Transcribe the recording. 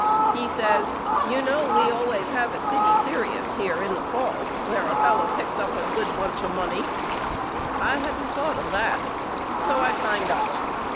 He says You know we always have a city serious here in the fall where a fellow picks up a good bunch of money. I hadn't thought of that so I signed up.